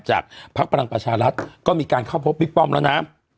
พักพลังประชารัฐก็มีการเข้าพบบิ๊กป้อมแล้วนะ